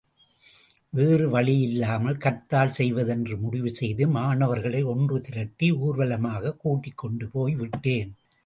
வேறு வழியில்லாமல் ஹர்த்தால் செய்வதென்று முடிவு செய்து மாணவர்களை ஒன்று திரட்டி ஊர்வலமாகக் கூட்டிக் கொண்டுபோய் விட்டேன்.